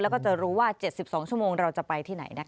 แล้วก็จะรู้ว่า๗๒ชั่วโมงเราจะไปที่ไหนนะคะ